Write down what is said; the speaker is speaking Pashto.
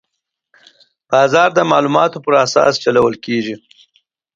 بازار د معلوماتو پر اساس چلول کېږي.